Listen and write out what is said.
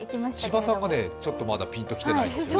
千葉さんがまだちょっとピンときてないですね。